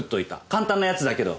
簡単なやつだけど。